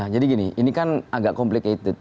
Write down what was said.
jadi gini ini kan agak complicated